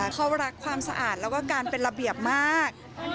เขารักความสะอาดแล้วก็การเป็นระเบียบมาก